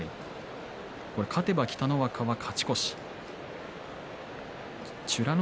勝てば北の若は勝ち越し美ノ